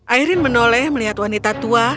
airin menoleh melihat wanita tua